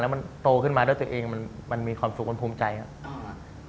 มันโตขึ้นมาด้วยตัวเองมันมีความสุขมันภูมิใจครับ